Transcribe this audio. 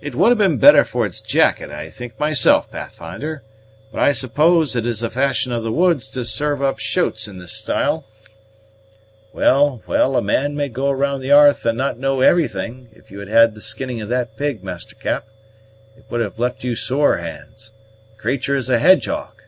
"It would have been better for its jacket, I think myself, Pathfinder; but I suppose it is a fashion of the woods to serve up shoats in this style." "Well, well, a man may go round the 'arth and not know everything. If you had had the skinning of that pig, Master Cap, it would have left you sore hands. The cratur' is a hedgehog!"